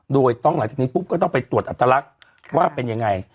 โดยต้องหลังจากนี้ปุ๊บก็ต้องไปตรวจอัตลักษณ์ว่าเป็นยังไง